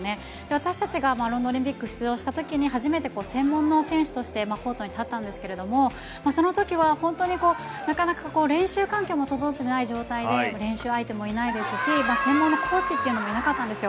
私たちがオリンピック出場した時に初めて専門の選手としてコートに立ったんですがその時は本当になかなか練習環境も整っていない状態で練習相手もいないですし専門のコーチもいなかったんですよ。